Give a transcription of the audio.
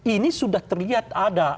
ini sudah terlihat ada